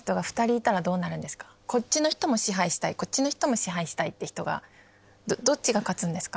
こっちの人も支配したいこっちの人も支配したいって人がどっちが勝つんですか？